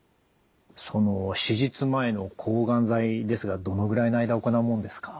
その手術前の抗がん剤ですがどのぐらいの間行うもんですか？